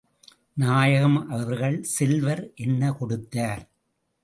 நாயகம் அவர்கள் செல்வர் என்ன கொடுத்தார்?